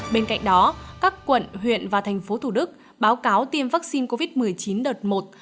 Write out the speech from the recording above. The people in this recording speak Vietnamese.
bên cạnh đó các quận huyện và thành phố thủ đức báo cáo tiêm vaccine covid một mươi chín đợt một